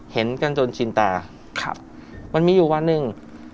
เห็นกันจนชินตามันมีอยู่วันหนึ่ง